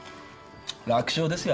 楽勝ですよ